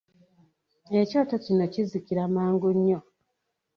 Ekyoto kino kizikira mangu nnyo.